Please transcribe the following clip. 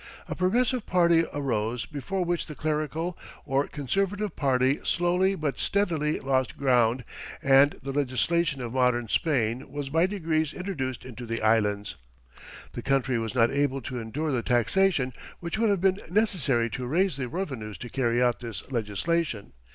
A progressive party arose before which the clerical or conservative party slowly but steadily lost ground, and the legislation of modern Spain was by degrees introduced into the Islands. The country was not able to endure the taxation which would have been necessary to raise the revenues to carry out this legislation.